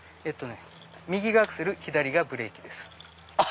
右がアクセル左がブレーキです。